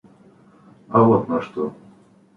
А вот на что.